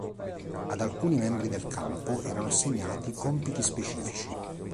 Ad alcuni membri del campo erano assegnati compiti specifici.